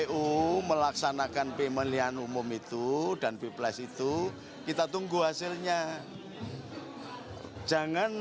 kpu melaksanakan pemilihan umum itu dan pilpres itu kita tunggu hasilnya jangan